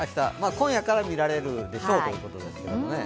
今夜から見られるでしょうということですけどね。